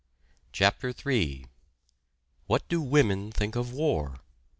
CHAPTER III WHAT DO WOMEN THINK OF WAR?